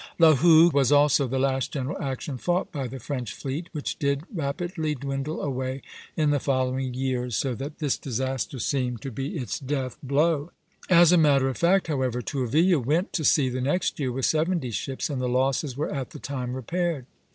La Hougue was also the last general action fought by the French fleet, which did rapidly dwindle away in the following years, so that this disaster seemed to be its death blow. As a matter of fact, however, Tourville went to sea the next year with seventy ships, and the losses were at the time repaired.